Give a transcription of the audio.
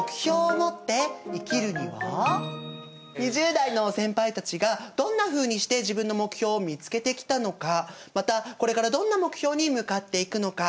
２０代の先輩たちがどんなふうにして自分の目標を見つけてきたのかまたこれからどんな目標に向かっていくのか。